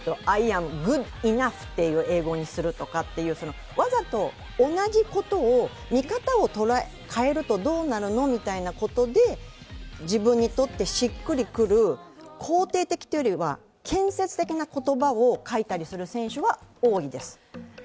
アイ・アム・グッド・イナフという英語にするとか、わざと同じことを見方を変えるとどうなるのみたいなことで、自分にとってしっくりくる肯定的というよりは建設的な言葉を書いたりする選手は多いです。